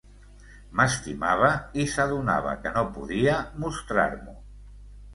M'estimava i s'adonava que no podia mostrar-m'ho.